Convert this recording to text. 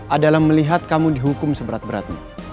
adalah melihat kamu dihukum seberat beratnya